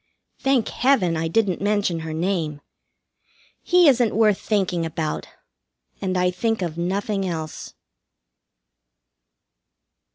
Thank Heaven, I didn't mention her name! He isn't worth thinking about, and I think of nothing else.